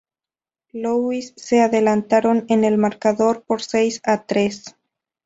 Louis se adelantaron en el marcador por seis a tres.